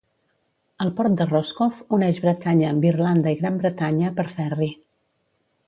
El port de Roscoff uneix Bretanya amb Irlanda i Gran Bretanya per ferri.